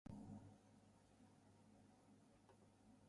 For many years, the emphasis was on archaeological evidence in the ground.